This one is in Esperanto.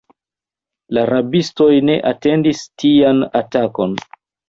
La rabistoj ne atendis tian atakon.